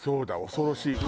恐ろしい。